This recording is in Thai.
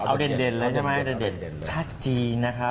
เอาเด่นเลยใช่ไหมเด่นชาติจีนนะคะ